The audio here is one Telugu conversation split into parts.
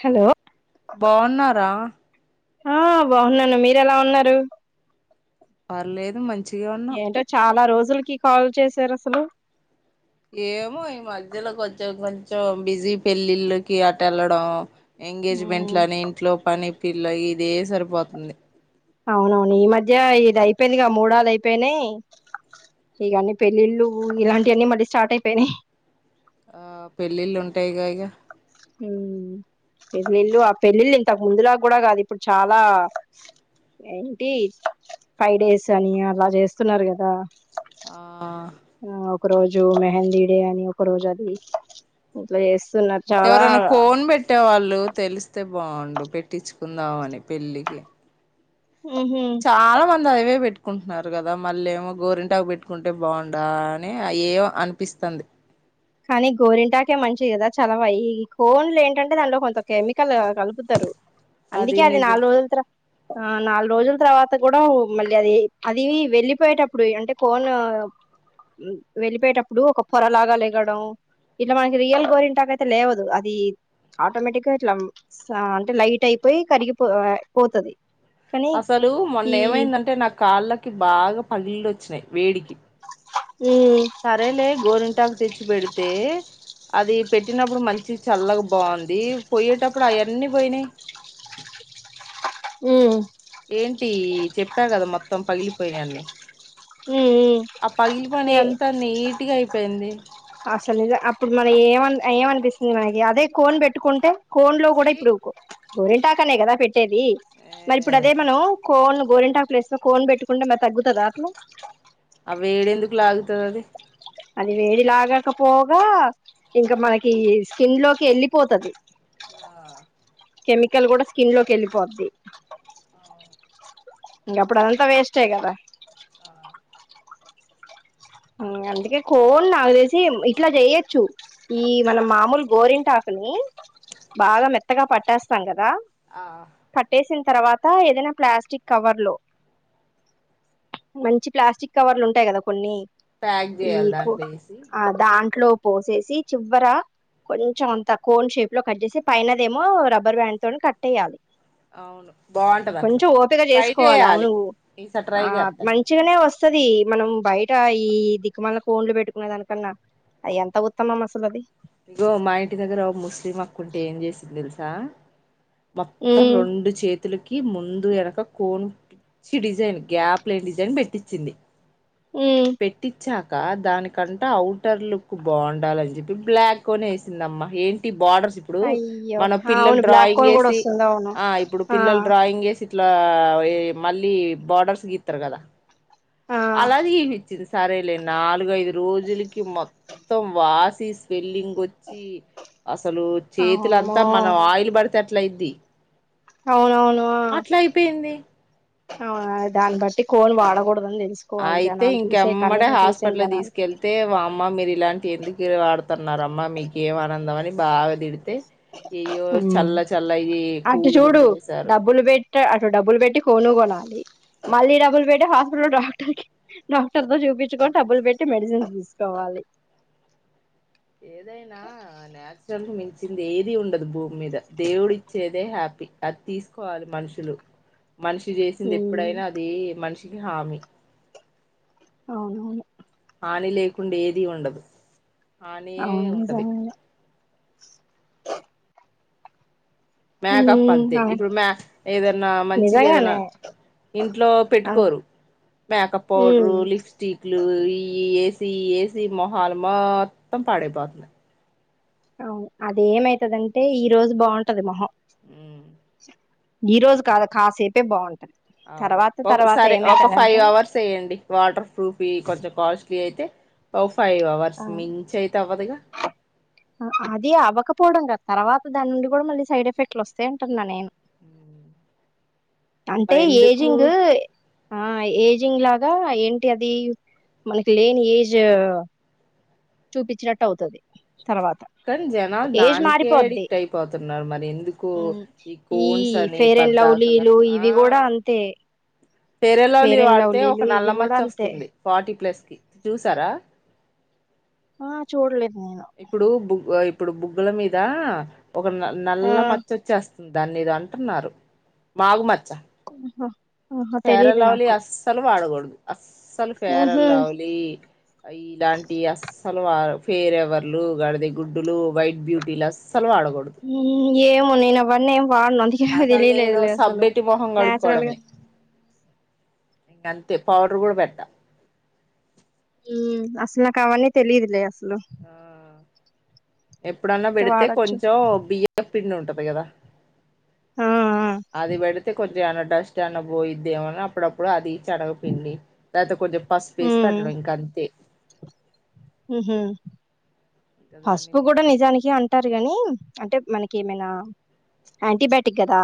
హలో బాగున్నారా ఆ బావున్నాను మీరు ఎలా ఉన్నారు పర్లేదు మంచిగే ఉన్నాం ఏంటో చాలా రోజులకి కాల్ చేసారు అసలు ప్రజలో కొంచెం కొంచెం బిజీ పెళ్ళిళ్ళకి అట వెళ్ళడం ఉమ్, ఎంగేజ్మెంట్లు అని ఇంట్లో పని పిల్ల ఇదే సరిపోతుంది అవునవును ఈ మధ్య ఇది అయిపోయిందిగా మూడలు అయిపోయినయ్ ఇగ అన్ని పెళ్ళిళ్ళు ఇలాంటివన్నీ మళ్ళీ స్టార్ట్ అయిపోయినాయి ఆ పెళ్ళిళ్ళు ఉంటాయి గ ఇగ మ్మ్ పెళ్లిళ్ళు ఆ పెళ్ళిళ్ళు ఇంతకు ముందులా కూడా కాదు ఇప్పుడు చాలా ఏంటి ఫైవ్ డేస్ అని అలా చేస్తున్నారు కదా ఆ ఒక రోజు మెహందీ డే అని ఒక రోజ అది ఇట్ల ఎవరైనా కోన్ బెట్టేవాళ్ళు తెలిస్తే బాగుండు పెట్టించుకుందామని పెళ్ళికి ఉహు చాలా మంది అదివే పెట్టు కట్కుంటున్నారు కదా మళ్ళ ఏమో గోరింటాకు పెట్టుకుంటే బాగుండా అని అ ఏ అనిపిస్తుంది కానీ గోరింటాకే మంచిది కదా చలవా ఈ కోన్లు ఏంటంటే దాంట్లో కొంత కెమికల్ కలుపుతారు అందుకే అది నాలుగు రోజుల తర ఆ నాలుగు రోజుల తర్వాత కూడా మళ్ళీ అది అది వెళ్లిపోయేటప్పుడు అంటే కోన్ వెళ్ళిపోయేటప్పుడు ఒక పొర లాగా లేగడం ఇట్లా మనకి రియల్ గోరింటాక అయితే లేవదు అది ఆటోమేటిక్ గా ఇట్లా అంటే లైట్ అయిపోయి కరిగిపో పోతది కానీ అసలు మొన్న ఈ ఏమైందంటే నా కాళ్ళకి బాగా పగిల్లోచ్చినాయి వేడికి ఉ సరేలే గోరింటాకు తెచ్చి పెడితే అది పెట్టినప్పుడు మంచి చల్లగా బాగుంది పోయేటప్పుడు అవన్నీ పోయినాయి ఉ ఏంటి చెప్పా కదా మొత్తం పగిలిపోయినాన్ని ఉ ఉ ఆ పగిలి పని ఏ అంతా నీటిగా అయిపోయింది అసలు ఇద అప్పుడు మన ఏమ ఆన్ల ఏ అనిపిస్తుంది మనకి అదే కోన్ పెట్టుకుంటే కోన్ లో కూడా ఛీ ఇప్పుడు గోరింటాకనే కదా పెట్ ట్టేది మరి ఇప్పుడు ఏ, అదే మనం కోన్ గోరిెంటా ప్లేస్ లో కోన్ పెట్టుకుంటే మరి తగ్గుతుందా అట్లా అ వేడేందుకు లాగుతుద అది అది వేడి లాగాకపోగా ఇంకా మనకి స్కిన్ లోకి వెళ్ళలిపోతది ఆ కెమికల్ కూడా స్కిన్ లోకి వెళ్ళిపోద్ది అవును. ఇకా అప్పుడు అదంతా వేస్టే గదా ఆ, అందుకే కోన్ నాకు తెసి ఇట్లా చేయచ్చు ఈ మన మామూలు గోరింటాకుని బాగా మెత్తగా పట్టేస్తాం కదా ఆ, పట్టేసిం తర్వాత ఏదైనా ప్లాస్టిక్ కవర్ లో మంచి ప్లాస్టిక్ కవర్లు ఉంటాయి గదా కొన్ని ప్యాక్ చేయాలి ఈకు దాంట్లో వేసి ఆ దాంట్లో పోసేసి చివ్వర కొంచెం అంత కోన్ షేప్ లో కట్ చేసి పైనదేమో రబ్బర్ బ్యాండ్ తో కట్టెయ్యాలి అవును బాగుంటది అట్లా కొంచెం ఓపిక ట్రై చేసుకోవాలి అవు చేయాలి నువు ఈసారి ట్రై ఆ చేత్తా మంచిగానే వస్తది మనం బయట ఈ దిక్కుమాలిన కోన్లు పెట్టుకునే దానికన్నా ఎంత ఉత్తమం అసలు అది ఇగో మా ఇంటి దగ్గర ముస్లిం అక్కుంటే ఏం చేసింది దెలుసా మొత్తం ఉమ్ రెండు చేత్ తులకి ముందు వెనక కొచ డిజైన్ గ్యాప్ లేని డిజైన్ పెట్టించింది ఉమ్ పెట్టిచ్చ దానికంటే అఔటర్ లుక్ బాగుండాలని చెప్పి బ్లాక్ అనే వేసింద అమ్మ ఏంటి బార్డర్ ఇప్పుడు అయ్యో మనం అవును పిల్లలు బ్లాక్ డ్రాయింగ్ కోన్ ఏ కూడా సి వస్తుంది అవును ఇప్పుడు ఆ పిల్లలు డ్రాయింగ్ ఏసి ఇట్లా మళ్ళీ బార్డర్స్ గీస్తారు కదా ఆ అలాగ చపించింది సరేలే నాలుగైఐదు రోజులకి మొత్తం వాస్ స్వెల్లింగ్ వచ్చి అసలు చేతులంతా అమ్మో మనం ఆయిల్ పడితే అట్లయ్ ద్ది అవునవునువు అ దాన్ని బట్టి కోన్ వాడకూడ అయితే ఇంకెమ్మడ చూసిన హాస్పిటల్ జనాలు తీసుకెళ్తే వా అమ్మ మీ ఇలాంటి ఎందుకు వాడుతున్నారమ్మా మీకేం ఆనందం అని బాగా తిడ్ అయితే అయ్యో చల్ల చల్ల ఇ అటు కూలు గుండ చూడు చేసారు డబ్బులు పెట్టి అటు డబ్బులు బెట్టి కొనుగోనాలి మళ్ళీ డబ్బులు పెట్టి హాస్పిటల్ లో డాక్టర్కీ డాక్టర్తో చూపించుకొని డబ్బులు పెట్టి మెడిసిన్స్ తీసుకోవాలి అది ఏదైనా న్యాచురల్గా మించ్ చింది ఏది ఉండదు భూమ్మీద దేవుడు ఇచ్చేదే హ్యాపీ అది తీసుకోవాలి మనుషులు మనిషి చేసింది ఉమ్ ఎప్పుడైనా అది మనిషికి హామీ అవునవును. హానీ లేకుండా ఏది ఉండదు హనీయే అవును ఉంటది. నిజంగానే మేకప్ ఉమ్ అంతే అవును ఇప్పుడు మ్యా ఏదన్న మంచిగా ఏదన్న నిజంగానే ఇంట్లో ఆ పెట్టుకోరు మేకప్ ఉమ్ పౌడరు లిప్స్టిక్లు ఈ ఇవి ఏసి ఏసి మొహల్ మొత్తం పాడైపోతున్నాయ్. అవును అదేమైతదంటే ఈ రోజు బాగుంటది మొహం. ఈ రోజు కాదు కాసేపే బాగుం అవును. ఒక సరే ఒక ఫైవ్ అవర్స్ ఎయ్యండి. వాటర్ ప్రూఫ్వి కొంచెం కాస్ట్లీ అయితే ఓ ఫైవ్ అవర్స్ ఆ మించైతే అవ్వదుగా పోవడం కాదు తర్వాత దాన్నుండి కూడ మళ్ళీ సైడ్ ఎఫెక్ట్లు వస్తే అంటున్నా నేను మ్. అంటే ఏజింగ్ ఆ ఏజింగ్ లాగా ఏంటి అది మనకి లేని ఏజ్ చూపిచ్చినట్టు అవుతది. తర్వాత కాని జనాలు ఏజ్ దానికే మారిపోద్ది అడిక్ట్ అయిపోతున్నారు మరి ఎందుకో ఉమ్, ఈ కోన్స్ అని ఫెయిర్ అండ్ పద్దాక లవ్లీలు ఇవి కూడా అంతే ఫెయిర్ అండ్ లవ్లీ వాడితే లవ్లీలు ఒక ఇవి నల్ల కూడా మచ్చ అంతే వస్తుంది. ఫార్టీ ప్లస్ కి చూసారా ఆ చూడ్లేదు. ఇప్పుడు బుగ్ ఇప్పుడు బుగ్గుల మీద ఒక న ఆ నల్ల మచ్చొచ్చేస్త దాన్నేదో అంటున్నారు మాగుమచ్చ హా ఫెయిర్ అండ్ లవ్లీ అస్సలు వాడకూడదు. అస్సలు ఫేర్ ఉహు అండ్ లవ్లీ ఇలాంటియస్ అసలు ఆ ఫేయిరేవర్లు గాడిది గుడ్డులు వైట్ బ్యూటీలస్స్ మ్ ఏమో నేనవన్ని ఏం వాడను. అందుకే అసలు నేను తెలియలేదులే అసలు సబ్బెట్టి నాచురల్గా ఇంకంతే పౌడర్ కూడా పెట్ట మ్మ్. అసలు నాకవన్నీ తెలీదులే అసలు ఆ ఎప్పుడన్నా టే పెడితే వాడొచ్చు కొంచెం బియ్యప్ పిండి ఉంటది కదా ఆ ఆ అది పెడితే కొం చమైన డస్ట్ అన్న పోయిద్దేమో అని అప్పుడప్పుడు అది శనగపిండి లేకపోతే కొంచెం పసుపేసి హ్మ్ పెట్టడం ఇంకంతే ఉహూ పసుపు కూడా నిజానికి అంటారు గాని అంటే మనకి ఏమైనా యాంటీబయోటిక్ కదా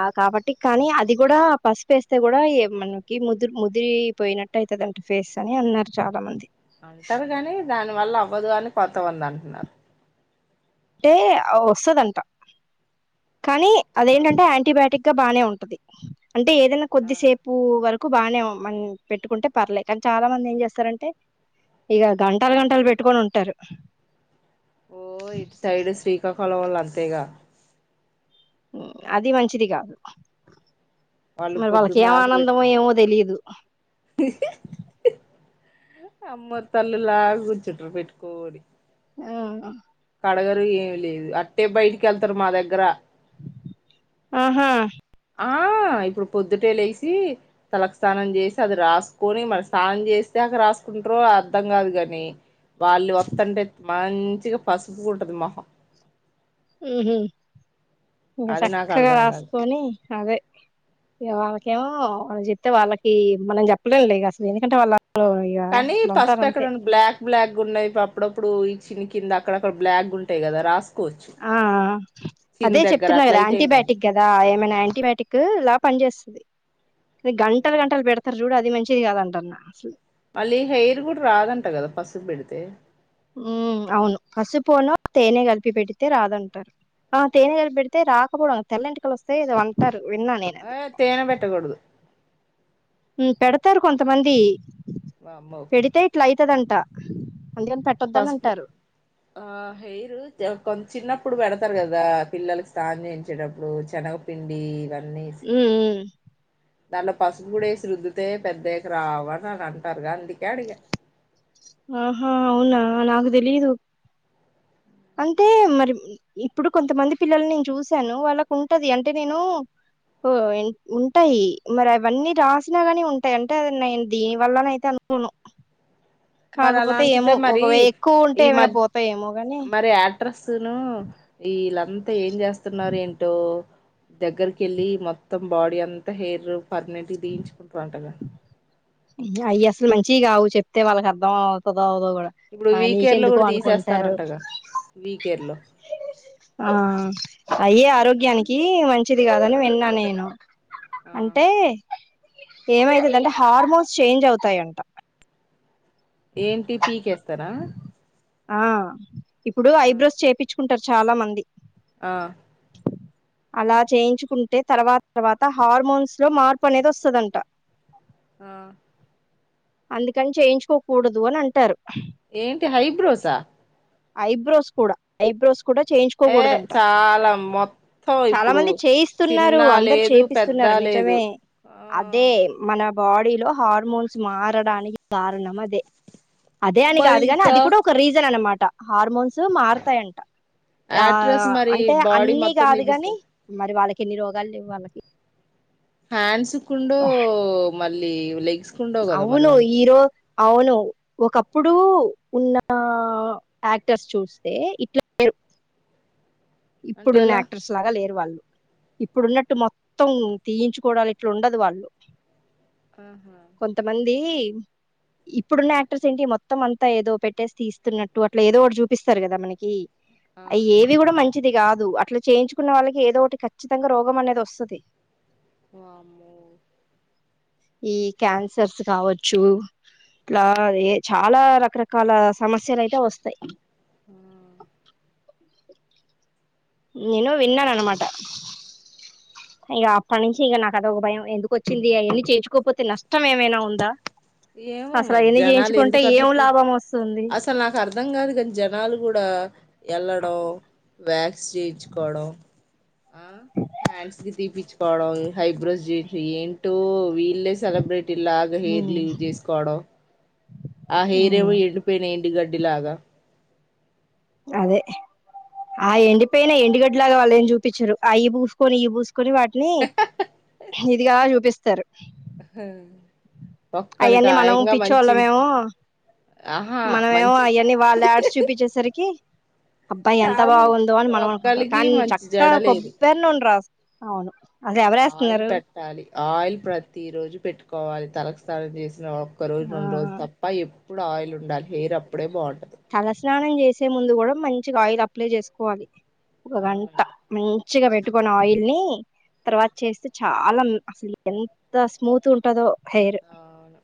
ఆ కాబట్ టి కానీ అది కూడా పసుపేస్తే కూడా మనకి ముదుర్ ముదిరి పోయినట్టు అయితాదంట ఫేస్ అన్ అని అన్నారు చాలా మంది అంటారు కాని దాని వల్ల అవ్వదు అని కొంతమంది అంటున్నారు అంటే ఆ వస్తదంట కానీ అదేంటంటే అవును యాంటీబయాటిక్ [unintelligible] బానే ఉంటది అంటే ఏదైనా ఆ కొద్దిసేపు వరక్ క్కు బాగానే మం పెట్టుకుంటే పర్లేదు కానీ చాలా మంది ఏం చేస్తారంటే ఇగ గంటలు గంటలు పెట్టుకొని ఉంటారు. ఓ ఇటు సైడ్ శ్రీకాకుళం వొళ్ళు అంతేగా అది మంచిది కాదు. వాళ్ళు మరి వాళ్ళకి పొద్దున్న ఏం దాకా ఆనందమో పెట్టుకుంటారు ఏమో తెలిదు. అమ్మోర్ తల్లుల్లా కూర్చుంటరు పెట్టుకోనీ అవున. కడగరు ఏమి లేదు అట్టే బయటికి వెళ్తారు మా దగ్గర ఆహా ఆ ఇప్పుడు పొద్దుటే లేసి తలకు స్నానం చేసి అది రాసుకొని మరి స్నానం చేస్నాక రాసుకు రో అర్థం కాదు కాని వాళ్ళు వాతుంటే మంచిగా పసుపు గుంటది మొహం హ్మ్ హ్మ ఇంకా అది నాకు చక్కగా అర్థం కాదు రాసుకొని అదే వాళ్ళకేమో వాళ్ళు చెప్తే వాళ్ళకి మనం చెప్పలేం లే ఇగ అసలు ఎందుకంటే వాళ్ళ కానీ పసుపు ఎక్కడన్న బ్లాక్ బ్లాక్ ఉన్నేయి అప్పుడప్పుడు చిన్ కింద అక్కడక్కడ బ్లాక్ ఉంటాయి కదా రాసుకోవచ్చు ఆ చిన్ అదే దగ్గర చెప్తున్నా అట్ల కదా అయితే ఏం కాదు యాంటీబయాటిక్ గదా ఏమైనా యాంటీబయాటిక్ ఇలా పని చేస్త అ గంటలు గంటలు పెడతారు చూడు అది మంచిది కాద అంటాన్న అసలు మళ్ళీ హెయిర్ కూడా రాదంట కదా పసుపు పెడితే హ్మ్ అవును పసుపును తేనె కలిపి పెడితే రాదంటారు ఆ తేనె కలిపి పెడితే రాకపోవడం తెల్ల ఎంటికలు వస్తేయి అని ఏదో అంటారు విన్నా నేను ఆ అది తేనె పెట్టకూడదు పెడతారు కొంతమంది వామ్మో పెడితే ఇట్లా అయితాదంట పసుపు ఆ హెయిర్ కొంత చిన్నప్పుడు పెడతారు కదా పిల్లలకి స్నానం చేయించేటప్పుడు శనగపిండి ఇవన్న హ్మ్ హ్మ దాంట్లో పసుుపు కూడా వేసి రుద్దితే పెద్ద అయ్యక రావని అంటారుగా అందుకే అడిగ హ్మ హ్మ్ అవునా నాకు తెలీదు అంటే మరి ఇప్పుడు కొంతమంది పిల్లలనీ నేను చూసాను వాళ్ళకు ఉంటది అంటే నేను ఓ ఉంటాయి మరి అవన్నీ రాసినా గానీ ఉంటాయి అంటే అ నేను దీని వల్లనే అయితే అన కొను మరి అలా అనుకుంటే మరి ఒకవే ఎక్కువ ఉంటే ఈ ఏమైనా మద్ పోతాయేమో గాని మరి య యాక్టర్స్ ను వీళంతా ఏం చేస్తున్నారో ఏంటో దగ్గరకి ఏళ్ళి మొత్తం బాడీ అంతా హెయిర్ పర్మనెంట్ తెయించుకుంటారంటగా అవి అసలు మంచివి కావు చెప్తే వాళ్ళకి అర్ధం అవుతాదో అవ్వ దో కూడా ఇప్పుడు వీకేర్ లో నీకెందుకు కూడా అనుకుంటారు తీసేస్తారంటగా వీకేర్ లో ఆ అయి ఆరోగ్యానికి మంచిది కాదని విన్నా నేను ఆ అంటే ఏమైతాద అంటే హార్మోన్స్ చేంజ్ అవుతాయంట ఏంటి పీకేస్తారా ఆ ఇప్పుడు ఆ ఐబ్రోస్ చేపిచ్చుకుంటారు చాలా మంది ఆ అలా చేయించుకుంటే తర్వాత తర్వాత హార్మోన్స్ లో మార్పు అనేది వస్తదంట ఆ అందుకని చేయించుకోకూడదు అని అంటారు ఏంటి హైబ్రౌసా ఐబ్రోస్ కూడా ఐబ్రోస్ కూడా ఏ చేయించుకోకూడదంట చాలా మొత్తం చాలా ఇప్పుడు మంది చేయిస్తున్నారు చిన్న అందరు లేదు పెద్ద చేపిస్తున్నారు లేదు నిజమే ఆ అదే మన బాడీలో హార్మోన్స్ మారడానికి కారణం అదే అదే అని మరి కాదు కాని ఇంకా అది కూడా ఒక రీజన్ అనమాట హార్మోన్స్ మారతాయంట ఆ యాట్రస్ మరి అంటే బాడీ అన్ని మొత్తం కాదు తీపిస్తా కాని మరి వాళ్ళకి కేన్ని రోగాలు లెవ్ వాళ్ళకి హ్యాండ్స్ కుండు మళ్ళీ లెగ్స్ కుండవు కదా మరి అవులు వాళ్ళకి ఈరోజ్ అవును ఒకప్పుడు ఉన్న యాక్టర్స్ చూస్తే ఇట్ల లేరు అంటే ఇప్పుడున్న ఎలా యాక్టర్స్ లాగా లేరు వాళ్ళు ఇప్పుడున్నట్టు మొత్తం తీయించుకోడాలు ఇట్ల ఉండదు వాళ్ళు ఆహా కొంతమంది ఇప్పుడున్న యాక్టర్స్ ఏంటి మొత్తం అంతా ఏదో పెట్టేసి తీస్తున్నట్టు అట్ల ఏదో ఒకటి చూపిస్తరు కదా మనకి ఆ అయ్యి ఏవి కూడా మంచి చిది కాదు అట్ల చేయించుకున్న వాళ్ళకి ఏదో ఒకటి ఖచ్చితంగా రోగం అనేది వస్తది వామ్మో ఈ క్యాన్సర్స్ కావచ్చు ఇట్ల ఏ చాలా రకరకాల సమస్యలు అయితే వస్తాయి నేను విన్నానన్నమాట ఇక అప్పటి నుంచి ఇక నాకదోక భయం ఎందుకు వచ్చింది అవన్ని చేయించుకోకపోతే నష్టం ఏమైనా ఉందా ఏమో అసలు మరి అవన్నీ జనాలు చేయించుకుంటే ఎందుకు అట్ల ఏం లాభం వస్తుంది అసలు నాకు అర్ అర్ధం కాదు కానీ జనాలు కూడా వెళ్ళడం వ్యాక్స్ చేయించుకోవడం ఆ హ్యాండ్స్ కి తీపిచ్చ కోవడం హైబ్రోస్ చేయించు ఏంటో వీళ్లే సెలబ్రిటీ లాగా హెయిర్ ఉమ్ లీవ్ చేసుకోవడం ఆ ఉమ్ హెయిరేమో ఎండిపోయిన ఎండు గడ్డిలాగా అదే ఆ ఎండిపోయిన ఎండుగడ్డి లాగా వాళ్ళు ఏం చూపించరు అయ్యి పూసుకొని ఇయ్యి పూసుకొని కొని వాటిని ఇదిగా చూపిస్తారు హ అవన్నీ మనం పిచ్చోళ్ళమేమో ఆహా మనమేమో మంచి అవన్నీ వాళ్ళు యాడ్స్ చూపించేసరికి అబ్బా ఎంత కాదు బాగుందో అని మనం అనుకుంటాం ఒక్కలికి కానీ మంచి చక్కగా జడలేదు కొబ్బరి నూనె రాసా అవును అసలు ఆయిల్ ఎవరేస్తున్నారు పెట్టాలి ఆయిల్ ప్రతి రోజు పెట్టుకోవాలి తలస్నానం చేసి సిన ఒక్క రోజు ఆ రెండు రోజులు తప్ప ఎప్పుడు ఆయిల్ ఉండాలి హెయిర్ అప్పుడే బాగుంటుంది స్నానం చేసే ముందు కూడా మంచిగా ఆయిల్ అప్లై చేసుకోవాలి ఒక గంట అవునంట ముందు మంచిగ పెట్టుకొని ఆయిల్ ని తర్వాత చేస్తే చాలా అసలు ఎంత స్మూత్ ఉంటదో హెయిర్ అవును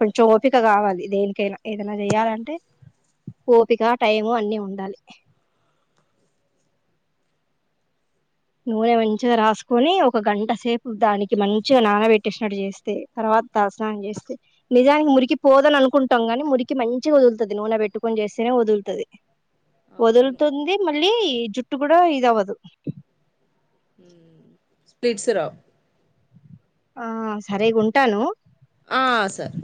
కొంచెం ఓపిక కావాలి దేనికైనా ఏదైనా చేయాలంటే ఓపిక టైము అన్ని ఉండాలి నూనె మంచిగ రాసుకొని ఒక గంట సేపు దానికి మంచిగ నానబెట్టేసినట్టు చేస్తే తర్వాత తలస్నానం చేస్తే నిజానికి మురికి పోదని అనుకుంటాం కాని మురికి మంచిగ వదులుతది నూనె పెట్టుకొని చేస్తే నే వదులుతది అవును వదులుతుంది మళ్ళీ జుట్టు కూడా ఇది అవ్వదు ఉమ్ స్ప్లిట్ రావు ఆ సరేగా ఉంటాను ఆ సరే